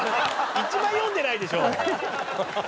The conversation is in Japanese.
一番読んでないでしょ！